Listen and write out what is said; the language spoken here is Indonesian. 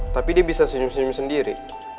tapi dia bisa senyum senyum sendiri